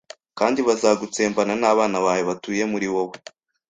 kandi bazagutsembana n'abana bawe batuye muri wowe